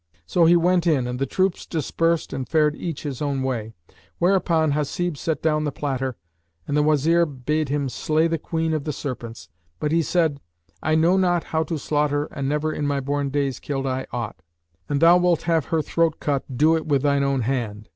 So he went in and the troops dispersed and fared each his own way; whereupon Hasib set down the platter and the Wazir bade him slay the Queen of the Serpents; but he said, "I know not how to slaughter and never in my born days killed I aught. An thou wilt have her throat cut, do it with thine own hand."